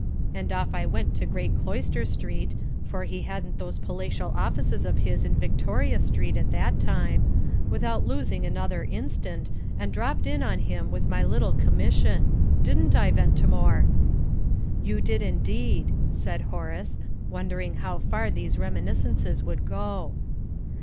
And off I went to Great Cloister Street (for he hadn't those palatial offices of his in Victoria Street at that time) without losing another instant, and dropped in on him with my little commission. Didn't I, Ventimore?" "You did indeed," said Horace, wondering how far these reminiscences would go.